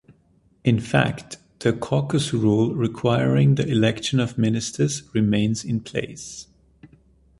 In fact, the Caucus rule requiring the election of ministers remains in place.